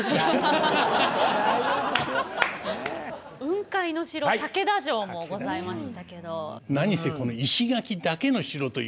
雲海の城竹田城もございましたけど。